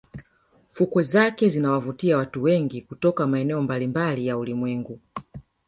Fukwe zake zinawavutia watu wengi kutoka maeneo mbalimbali ya ulimwengu